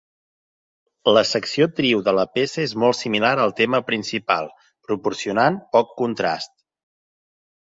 La secció Trio de la peça és molt similar al tema principal, proporcionant poc contrast.